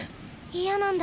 嫌なんだ。